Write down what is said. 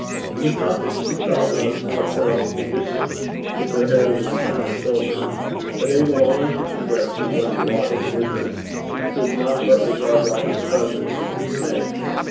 It was not that she thought once of her own condition, with her hair loose on her shoulders, but, able only to conjecture what had brought him thither, she could not but regard Robert's presence with dismay.